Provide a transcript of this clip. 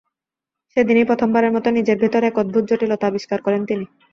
সেদিনই প্রথমবারের মতো নিজের ভেতর এক অদ্ভুত জটিলতা আবিষ্কার করেন তিনি।